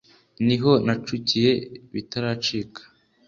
ni ho nacukiye bitaracika